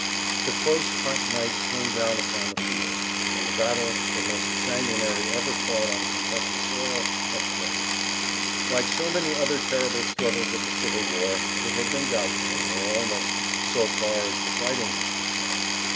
The close hot night came down upon the field, and the battle, the most sanguinary ever fought on Kentucky soil, had closed. Like so many other terrible struggles of the Civil War, it had been doubtful, or almost, so far as the fighting was concerned.